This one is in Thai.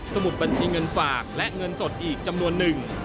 มุดบัญชีเงินฝากและเงินสดอีกจำนวนหนึ่ง